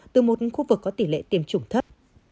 từ một khu vực có tỷ lệ tiêm chủng thấp